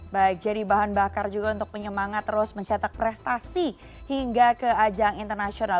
baik jadi bahan bakar juga untuk penyemangat terus mencetak prestasi hingga ke ajang internasional